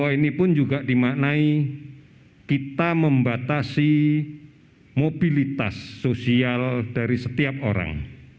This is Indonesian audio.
ini pun juga dimaknai kita membatasi mobilitas sosial dari setiap orang